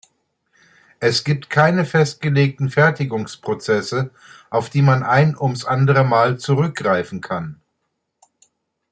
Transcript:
Es gibt keine festgelegten Fertigungsprozesse, auf die man ein ums andere Mal zurückgreifen kann.